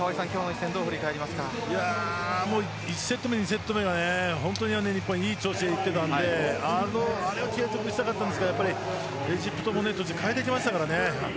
１セット目、２セット目は日本は、いい調子でいけてたのであれを継続したかったんですがエジプトも変えてきました。